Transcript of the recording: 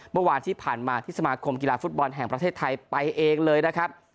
เมื่อวานที่ผ่านมาที่สมาคมกีฬาฟุตบอลแห่งประเทศไทยไปเองเลยนะครับ